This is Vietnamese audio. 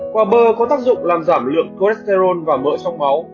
quả bơ có tác dụng làm giảm lượng cholesterol và mỡ trong máu